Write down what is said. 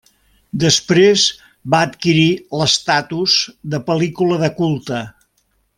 Després va adquirir l'estatus de pel·lícula de culte.